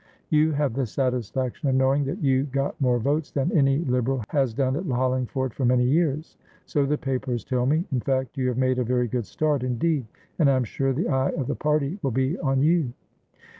You have the satisfaction of knowing that you got more votes than any Liberal has done at Hollingford for many yearsso the papers tell me. In fact, you have made a very good start indeed, and I am sure the eye of the party will be on you."